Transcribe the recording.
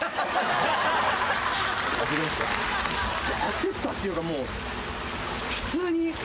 焦ったっていうかもう普通に。